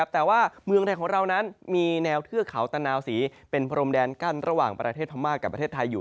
แต่ว่าเมืองไทยของเรานั้นมีแนวเทือกเขาตะนาวศรีเป็นพรมแดนกั้นระหว่างประเทศพม่ากับประเทศไทยอยู่